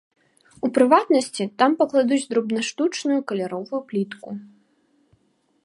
У прыватнасці, там пакладуць дробнаштучную каляровую плітку.